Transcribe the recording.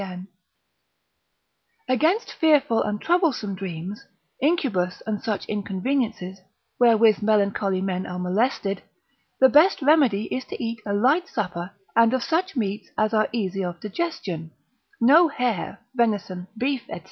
Against fearful and troublesome dreams, Incubus and such inconveniences, wherewith melancholy men are molested, the best remedy is to eat a light supper, and of such meats as are easy of digestion, no hare, venison, beef, &c.